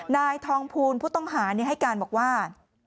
นายทองภูลผู้ต้องหาให้การบอกว่า